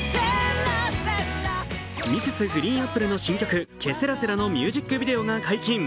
Ｍｒｓ．ＧＲＥＥＮＡＰＰＬＥの新曲「ケセラセラ」のミュージックビデオが解禁。